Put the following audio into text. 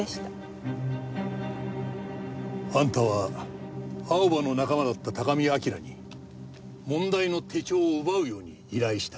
あんたは青葉の仲間だった高見明に問題の手帳を奪うように依頼した。